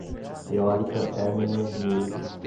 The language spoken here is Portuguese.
Eólica Hermenegildo